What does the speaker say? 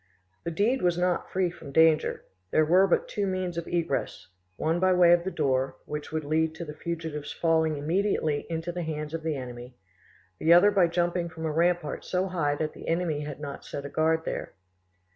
The deed was not free from danger: there were but two means of egress, one by way of the door, which would lead to the fugitive's falling immediately into the hands of the enemy; the other by jumping from a rampart so high that the enemy had not set a guard there.